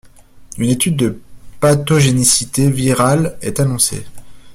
Une étude de pathogénicité virale est annoncée.